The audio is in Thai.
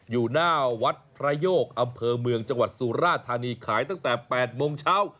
อยู่หน้าวัดพระโยกอำเภอเมืองจังหวัดสุราธานีขายตั้งแต่๘โมงเช้า